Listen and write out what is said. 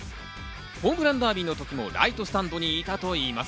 ホームランダービーの時もライトスタンドにいたといいます。